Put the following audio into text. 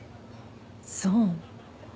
そう。